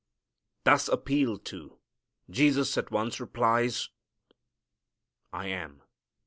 Thus appealed to, Jesus at once replies, "I am."